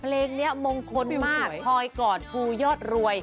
เพลงเนี้ยมงคลมากพอยกอดผู้ยอดรวยค่ะ